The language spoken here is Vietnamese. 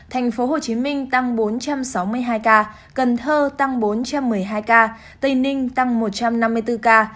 tp hcm tăng bốn trăm sáu mươi hai ca cần thơ tăng bốn trăm một mươi hai ca tây ninh tăng một trăm năm mươi bốn ca